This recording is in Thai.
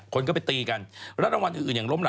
ก็๓๒๙ปีนั่นแหละ